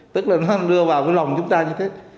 tức là nó không đưa vào cái lòng chúng ta như thế